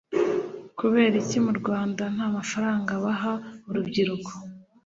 Kubera iki murwanda ntamafaranga baha urubyiruko